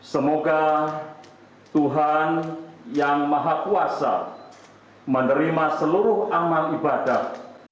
semoga tuhan yang maha kuasa menerima seluruh amal ibadah